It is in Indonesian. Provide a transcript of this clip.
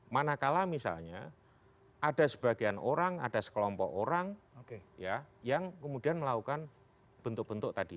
manakala misalnya ada sebagian orang ada sekelompok orang yang kemudian melakukan bentuk bentuk tadi